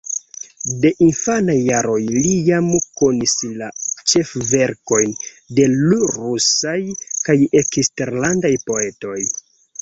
De infanaj jaroj li jam konis la ĉefverkojn de l' rusaj kaj eksterlandaj poetoj.